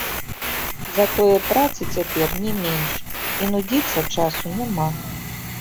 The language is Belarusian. Затое працы цяпер не менш і нудзіцца часу няма.